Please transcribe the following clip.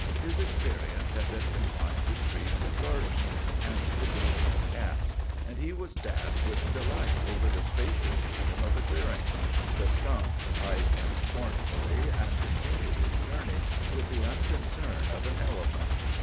His experience had been confined to streets and gardens and the chasing of cats, and he was daft with delight over the spacious freedom of the clearings. The skunk eyed him scornfully, and continued his journey with the unconcern of an elephant.